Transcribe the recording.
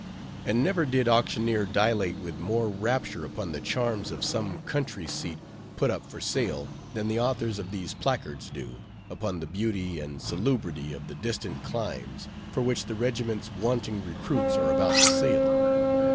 And never did auctioneer dilate with more rapture upon the charms of some country seat put up for sale, than the authors of these placards do, upon the beauty and salubrity of the distant climes, for which the regiments wanting recruits are about to sail.